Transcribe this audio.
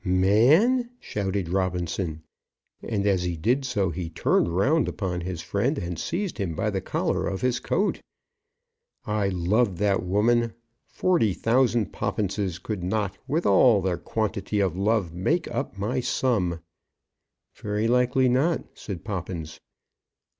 "Man!" shouted Robinson, and as he did so he turned round upon his friend and seized him by the collar of his coat. "I loved that woman. Forty thousand Poppinses could not, with all their quantity of love, make up my sum." "Very likely not," said Poppins.